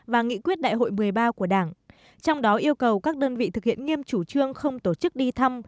và nghị quyết đại hội một mươi ba của đảng trong đó yêu cầu các đơn vị thực hiện nghiêm chủ trương không tổ chức đi thăm